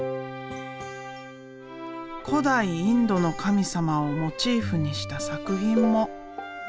古代インドの神様をモチーフにした作品も。